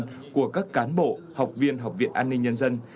đặc biệt là sự khởi xướng của các cán bộ học viên học viện an ninh nhân dân